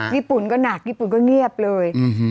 ญี่ปุ่นก็หนักญี่ปุ่นก็เงียบเลย